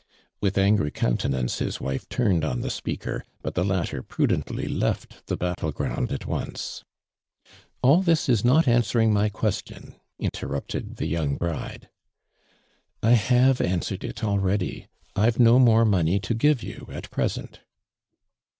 " With angry countenance his wife turned on the speaicer, bnt the latter prudently left the battle ground at once. " All this is not answering my question," interrupted the young bride. " I have answered it already. I've no more money to give you at present."